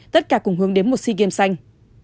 tất cả cùng hướng đến một sea games xanh